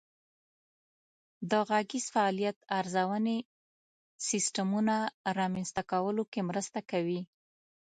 د غږیز فعالیت ارزونې سیسټمونه رامنځته کولو کې مرسته کوي.